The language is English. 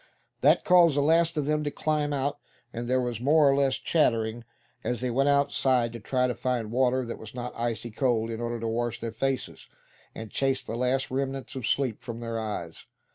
That caused the last of them to climb out, and there was more or less chattering as they went outside to try and find water that was not icy cold, in order to wash their faces, and chase the last remnants of sleep from their eyes.